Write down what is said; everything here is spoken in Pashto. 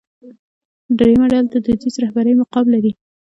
درېیمه ډله د دودیزې رهبرۍ مقام لري.